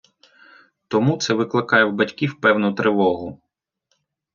Тому це викликає в батьків певну тривогу.